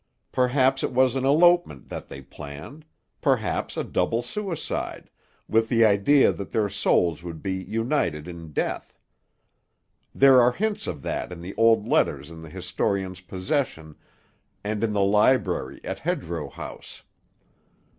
Perhaps it was an elopement that they planned; perhaps a double suicide, with the idea that their souls would be united in death. There are hints of that in the old letters in the historian's possession and in the library at Hedgerow House.